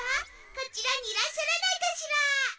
こちらにいらっしゃらないかしら？